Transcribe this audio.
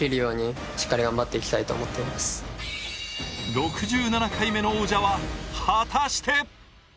６７回目の王者は果たして？